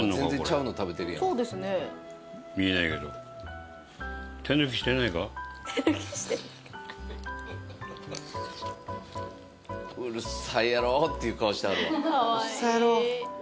うるさいやろ？っていう顔してはるわ。